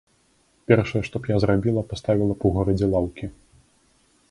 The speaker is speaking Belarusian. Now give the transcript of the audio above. Першае, што б я зрабіла, паставіла б у горадзе лаўкі!